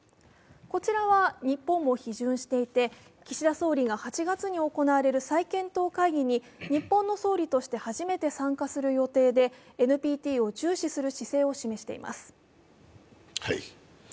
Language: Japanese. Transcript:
こちらは日本も批准していて、岸田総理が８月に行われる再検討会議に日本の総理として初めて参加する予定で、ＮＰＴを重視する姿勢を示しています